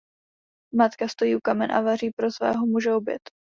Matka stojí u kamen a vaří pro svého muže oběd.